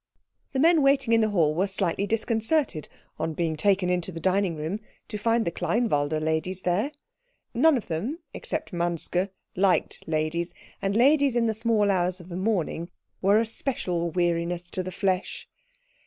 The men waiting in the hall were slightly disconcerted, on being taken into the dining room, to find the Kleinwalde ladies there. None of them, except Manske, liked ladies; and ladies in the small hours of the morning were a special weariness to the flesh.